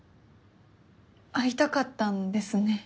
会いたかったんですね。